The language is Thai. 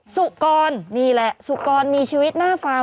สุกรนี่แหละสุกรมีชีวิตหน้าฟาร์